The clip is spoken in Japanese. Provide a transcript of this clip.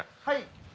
はい。